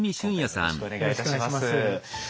よろしくお願いします。